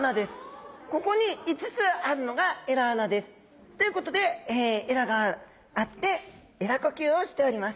ここに５つあるのが鰓穴です。ということで鰓があって鰓呼吸をしております。